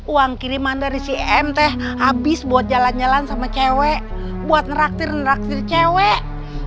uang kiriman dari cim teh habis buat jalan jalan sama cewek buat ngeraktir neraktir cewek